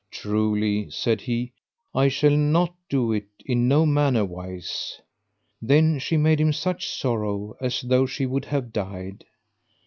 Truly, said he, I shall not do it in no manner wise. Then she made him such sorrow as though she would have died.